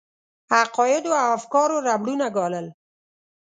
عقایدو او افکارو ربړونه ګالل.